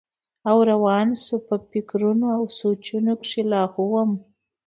او روان شو پۀ فکرونو او سوچونو کښې لاهو وم